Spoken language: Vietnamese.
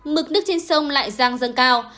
mực nước trên sông lại giang dâng cao